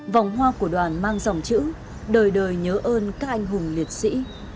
vòng hoa của đoàn mang dòng chữ đời đời nhớ ơn các anh hùng liệt sĩ